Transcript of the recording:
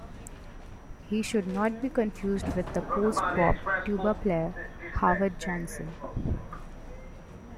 He should not be confused with the post-bop tuba player, Howard Johnson.